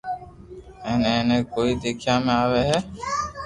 ھين اي ني ڪوئي ديکيا ۾ آوو ھين